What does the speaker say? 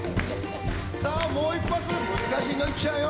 さぁもう一発難しいのいっちゃうよ！